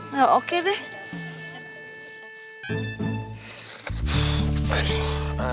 ya oke deh